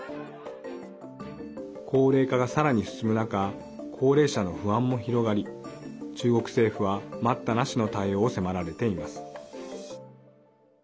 高齢化がさらに進む中高齢者の不安も広がり中国政府は、待ったなしの対応を迫られています。